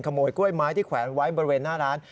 ขโมยกล้วยไม้ที่แขวนไว้บริเวณหน้าร้าน